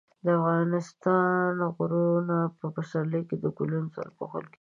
د افغانستان غرونه په پسرلي کې د ګلونو سره پوښل کېږي.